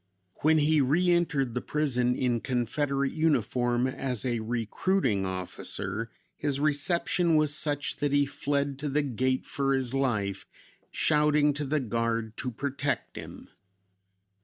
When he re entered the prison in Confederate uniform as a recruiting officer, his reception was such that he fled to the gate for his life; shouting to the guard to protect him.